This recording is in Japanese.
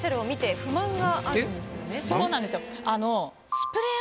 そうなんですよあの。